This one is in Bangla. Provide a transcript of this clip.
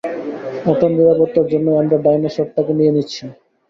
ওটার নিরাপত্তার জন্যই আমরা ডাইনোসরটাকে নিয়ে নিচ্ছি।